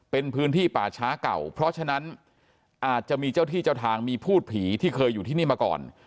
เป็นพื้นที่ป่าช้าเก่าเพราะฉะนั้นอาจจะมีเจ้าที่เจ้าทางมีพูดผีที่เคยอยู่ที่นี่มาก่อน